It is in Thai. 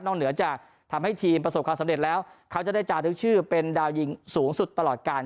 เหนือจากทำให้ทีมประสบความสำเร็จแล้วเขาจะได้จารึกชื่อเป็นดาวยิงสูงสุดตลอดการ